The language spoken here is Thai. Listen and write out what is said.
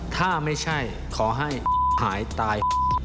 ถ้าไม่ใช่ขอให้หายตาย